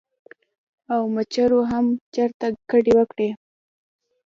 او مچرو هم چرته کډې وکړې ـ